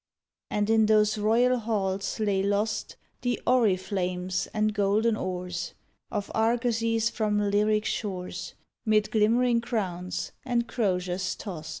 And in those royal halls lay lost The oriflammes and golden oars Of argosies from lyric shores — 'Mid glimmering crowns and croziers tost.